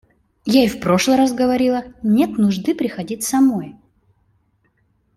Я и в прошлый раз говорила: нет нужды приходить самой.